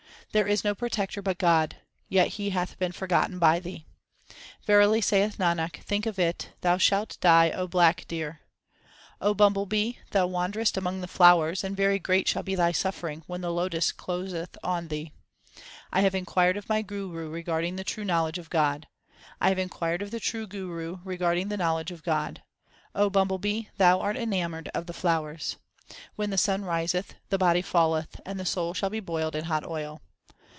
1 There is no protector but God ; yet He hath been for gotten by thee. Verily, saith Nanak, think of it, thou shalt die, O black deer. bumble bee, 2 thou wanderest among the flowers, and very great shall be thy suffering, when the lotus closeth on thee. 1 have inquired of my Guru regarding the true knowledge of God. I have inquired of the true Guru regarding the knowledge of God ; O bumble bee, thou art enamoured of the flowers. When the sun riseth, 3 the body falleth, and the soul shall be boiled in hot oil.